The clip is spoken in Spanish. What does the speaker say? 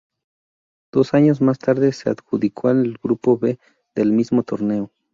Dos años más tarde se adjudicó el grupo B del mismo torneo.